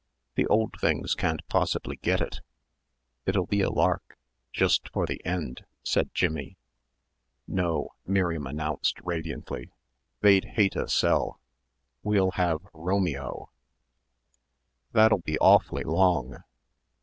"The old things can't possibly get it. It'll be a lark, just for the end," said Jimmie. "No." Miriam announced radiantly. "They'd hate a sell. We'll have Romeo." "That'll be awfully long.